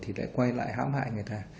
thì lại quay lại hãm hại người ta